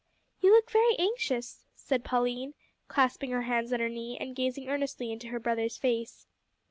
"You look very anxious," said Pauline, clasping her hands on her knee, and gazing earnestly in her brother's face.